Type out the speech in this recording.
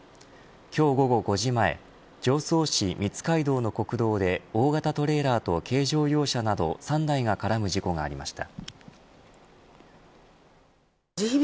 今日午後５時前常総市水海道の国道で大型トレーラーと、軽乗用車など３台が絡む事故がありました。